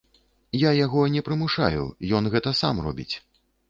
Я яго не прымушаю, ён гэта сам робіць.